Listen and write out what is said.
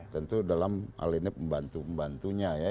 tentu dalam hal ini pembantu pembantunya ya